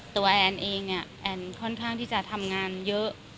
ตัวแอ้นเองแอ้นค่อนข้างที่จะทำงานเยอะ